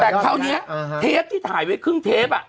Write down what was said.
แต่คราวนี้เทปที่ถ่ายไว้ครึ่งเทป